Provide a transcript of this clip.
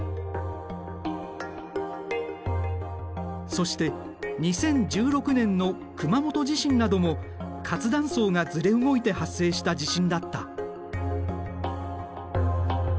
そして２０１６年の熊本地震なども活断層がずれ動いて発生した地震だった。